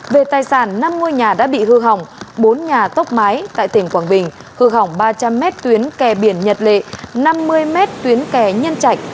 về tài sản năm ngôi nhà đã bị hư hỏng bốn nhà tốc mái tại tỉnh quảng bình hư hỏng ba trăm linh m tuyến kè biển nhật lệ năm mươi m tuyến kè nhân trạch